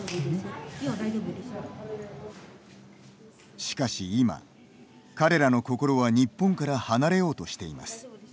しかし今、彼らの心は日本から離れようとしています。